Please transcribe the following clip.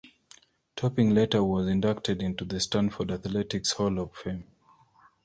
Topping later was inducted into the Stanford Athletics Hall of Fame.